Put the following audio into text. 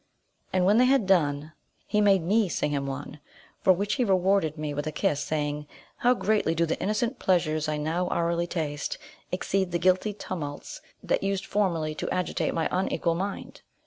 And when they had done, he made me sing him one, for which he rewarded me with a kiss, saying, "How greatly do the innocent pleasures I now hourly taste, exceed the guilty tumults that used formerly to agitate my unequal mind!